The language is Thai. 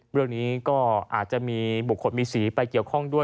เรื่องนี้ก็อาจจะมีบุคคลมีสีไปเกี่ยวข้องด้วย